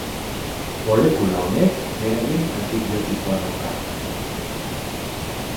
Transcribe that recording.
Molekula honek eragin antibiotikoa dauka.